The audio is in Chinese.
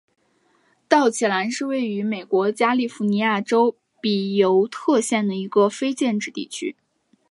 道奇兰是位于美国加利福尼亚州比尤特县的一个非建制地区。